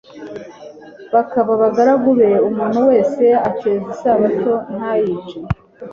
bakaba abagaragu be, umuntu wese akeza isabato ntayice